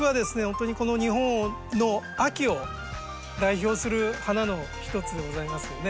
ほんとにこの日本の秋を代表する花の一つでございますので。